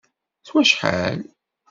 S wacḥal?